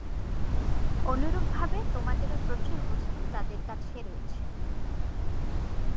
অনুরূপভাবে তোমাদেরও প্রচুর বস্তু তাদের কাছে রয়েছে।